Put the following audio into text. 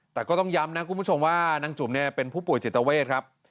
แต่ก็ต้องย้ำนะคุณผู้ชมว่านางจุ๋มเนี่ยเป็นผู้ป่วยจิตเวทครับ